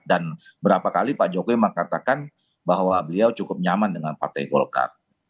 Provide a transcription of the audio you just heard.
dan berapa kali pak jokowi memang katakan bahwa beliau cukup nyaman dengan partai golkar